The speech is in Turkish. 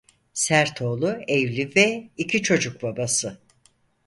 Sertoğlu evli ve iki çocuk babası.